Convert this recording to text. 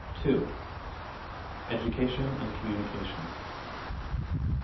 2. Education and Communication.